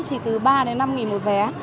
chỉ từ ba năm nghìn một vé